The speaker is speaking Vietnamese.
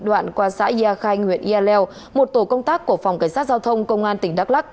đoạn qua xã yà khanh huyện yaleo một tổ công tác của phòng cảnh sát giao thông công an tỉnh đắk lắc